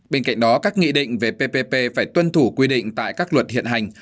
bên cạnh đó các nghị định về ppp phải tuân thủ quy định tại các luật hiện hành